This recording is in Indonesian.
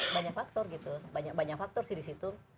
banyak faktor gitu banyak faktor sih disitu